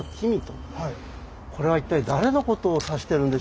これは一体誰のことを指してるんでしょうか。